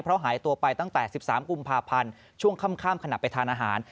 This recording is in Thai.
เพราะหายตัวไปตั้งแต่๑๓กุมภาพันธ์ช่วงค่ำขณะไปทานอาหาร